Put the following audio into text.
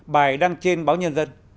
bài đăng trên báo nhân dân